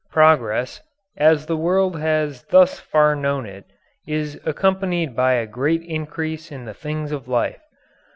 Progress, as the world has thus far known it, is accompanied by a great increase in the things of life.